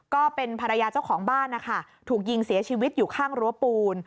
ก็เป็นภรรยาเจ้าของบ้านนะคะถูกยิงเสียชีวิตอยู่ข้างรั้วปูน